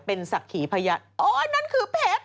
เป็นศักดิ์ขี่พยัดโอ้ยนั่นคือเพชร